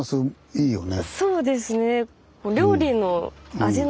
そうですね。